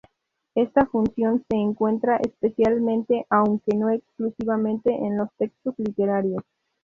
Esta función se encuentra especialmente, aunque no exclusivamente, en los textos literarios.